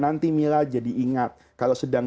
nanti mila jadi ingat kalau sedang